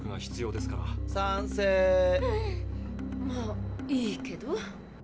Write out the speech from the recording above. まあいいけど。